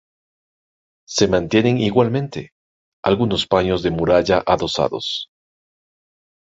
Se mantienen igualmente, algunos paños de muralla adosados.